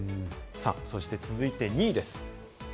そして続いて２位です。